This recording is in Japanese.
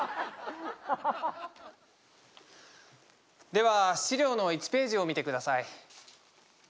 では資料の１ページを見てください。